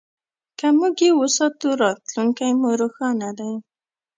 که موږ یې وساتو، راتلونکی مو روښانه دی.